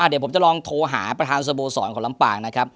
เดี๋ยวผมจะลองโทรหาประธานสโมสรของลำปางนะครับ